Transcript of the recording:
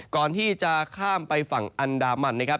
ก่อนที่จะข้ามไปฝั่งอันดามันนะครับ